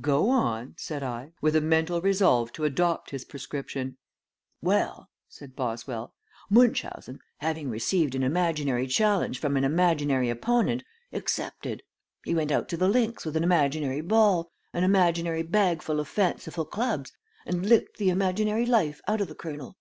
"Go on," said I, with a mental resolve to adopt his prescription. "Well," said Boswell, "Munchausen, having received an imaginary challenge from an imaginary opponent, accepted. He went out to the links with an imaginary ball, an imaginary bagful of fanciful clubs, and licked the imaginary life out of the colonel."